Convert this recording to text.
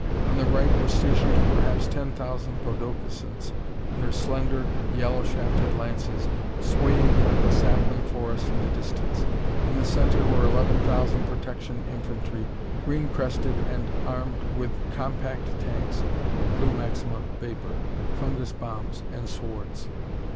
On the right were stationed perhaps ten thousand podokesons, their slender, yellow shafted lances swaying like a sapling forest in the distance. In the center were eleven thousand protection infantry, green crested and armed with compact tanks of blue maxima vapor, fungus bombs and swords.